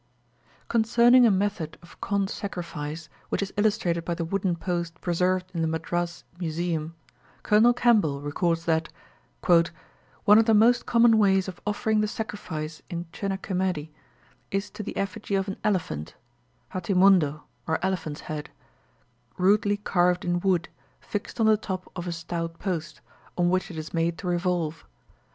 Concerning a method of Kondh sacrifice, which is illustrated by the wooden post preserved in the Madras Museum, Colonel Campbell records that "one of the most common ways of offering the sacrifice in Chinna Kimedi is to the effigy of an elephant (hatti mundo or elephant's head) rudely carved in wood, fixed on the top of a stout post, on which it is made to revolve.